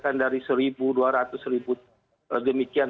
kan dari satu dua ratus satu demikian